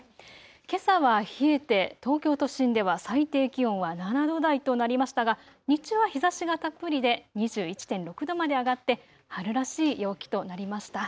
けさは冷えて東京都心では最低気温は７度台となりましたが日中は日ざしがたっぷりで２１．６度まで上がって春らしい陽気となりました。